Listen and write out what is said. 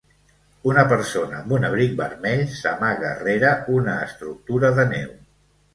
Una persona amb un abric vermell s'amaga rere una estructura de neu.